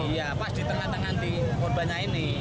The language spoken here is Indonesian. iya pas di tengah tengah di korbannya ini